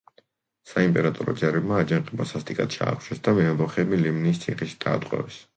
საიმპერატორო ჯარებმა აჯანყება სასტიკად ჩაახშვეს და მეამბოხეები ლიმნიის ციხეში დაატყვევეს.